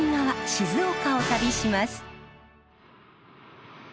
静岡を旅します。